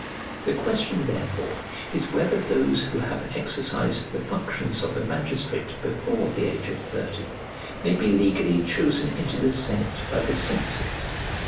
The question therefore is whether those who have exercised the functions of a magistrate before the age of thirty may be legally chosen into the senate by the censors?